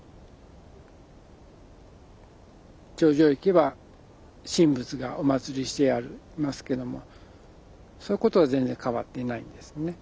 頂上へ行けば神仏がお祀りしてありますけどもそういうことは全然変わっていないんですね。